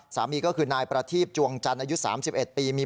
สามีก็คือนายประทีบจวงจันทร์อายุ๓๑ปีมี